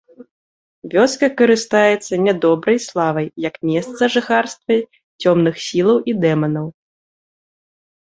Вёска карыстаецца нядобрай славай як месца жыхарства цёмных сілаў і дэманаў.